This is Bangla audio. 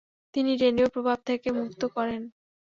তিনি ডেনীয় প্রভাব থেকে মুক্ত করেন।